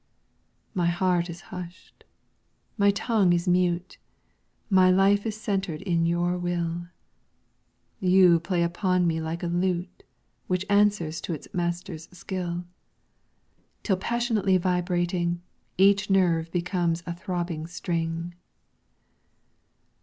My heart is hushed, my tongue is mute, My life is centred in your will; You play upon me like a lute Which answers to its master's skill, Till passionately vibrating, Each nerve becomes a throbbing string.